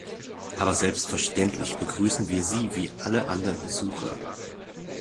Aber selbstverständlich begrüßen wir sie wie alle anderen Besucher.